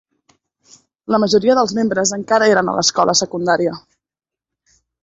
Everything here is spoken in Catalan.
La majoria dels membres encara eren a l'escola secundària.